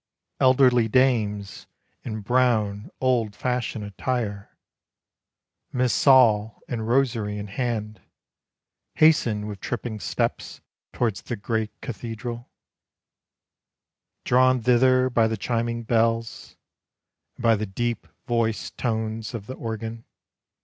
Elderly dames In brown, old fashioned attire, Missal and rosary in hand, Hasten with tripping steps Towards the great cathedral, Drawn thither by the chiming bells, And by the deep voiced tones of the organ.